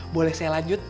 boleh saya lanjut